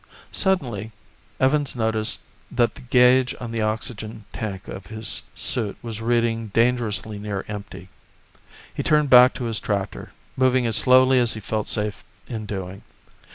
Suddenly, Evans noticed that the gauge on the oxygen tank of his suit was reading dangerously near empty. He turned back to his tractor, moving as slowly as he felt safe in doing.